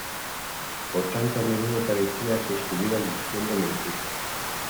Por tanto a menudo parecía que estuviera diciendo mentiras.